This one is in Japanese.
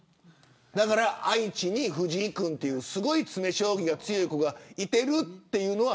だから、愛知に藤井君というすごい詰め将棋が強い子がいるというのは